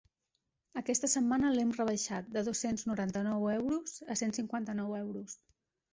Aquesta setmana l'hem rebaixat de dos-cents noranta-nou euros a cent cinquanta-nou euros.